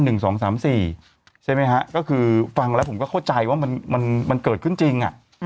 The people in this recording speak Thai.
ใช่ไหมฮะก็คือฟังแล้วผมก็เข้าใจว่ามันเกิดขึ้นจริง